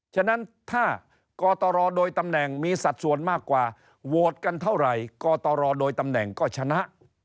ฉะนั้นถ้ากตรโดยตำแหน่งมีสัดส่วนมากกว่าโหวตกันเท่าไหร่กตรโดยตำแหน่งก็ชนะ